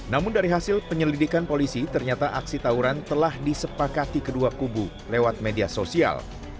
namun dari hasil penyelidikan polisi ternyata aksi tawuran telah disepakati kedua kubu lewat media sosial